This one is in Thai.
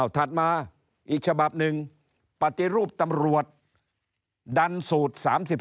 ถัดมาอีกฉบับหนึ่งปฏิรูปตำรวจดันสูตร๓๔